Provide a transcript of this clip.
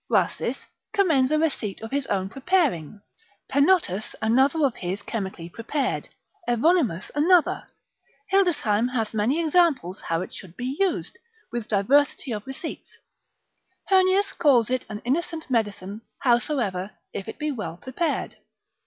Rhasis, commends a receipt of his own preparing; Penottus another of his chemically prepared, Evonimus another. Hildesheim spicel. 2. de mel. hath many examples how it should be used, with diversity of receipts. Heurnius lib. 7. prax. med. cap. 14. calls it an innocent medicine howsoever, if it be well prepared.